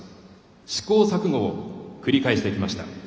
試行錯誤を繰り返してきました。